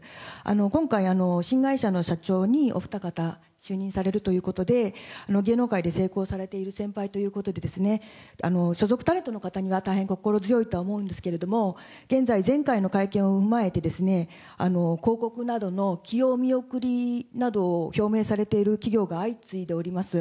今回、新会社の社長にお二方、就任されるということで、芸能界で成功されている先輩ということで、所属タレントの方には、大変心強いとは思うんですけれども、現在、前回の会見を踏まえて、広告などの起用見送りなどを表明されている企業が相次いでおります。